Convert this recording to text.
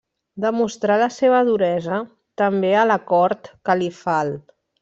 Demostrà la seva duresa també a la cort califal.